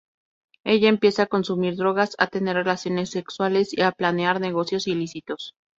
Ella empieza a consumir drogas, a tener relaciones sexuales y a planear negocios ilícitos.